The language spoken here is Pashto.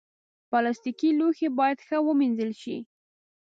پلاستيکي لوښي باید ښه ومینځل شي.